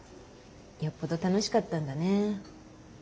よっぽど楽しかったんだね。